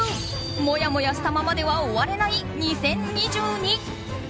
もやもやしたままでは終われない２０２２。